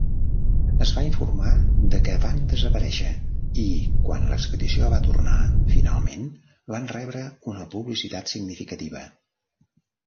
Es va informar de que van desaparèixer i, quan la expedició va tornar finalment, van rebre una publicitat significativa.